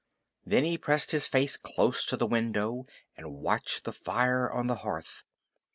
Then he pressed his face close to the window and watched the fire on the hearth.